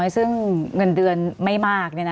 สวัสดีครับทุกคน